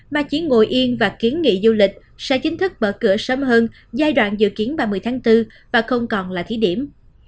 mà chỉ ngồi yên và kiến nghị du lịch sẽ chính thức mở cửa sớm hơn giai đoạn dự kiến ba mươi tháng bốn và không còn là thí điểm